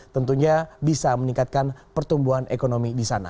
tentunya bisa meningkatkan pertumbuhan ekonomi di sana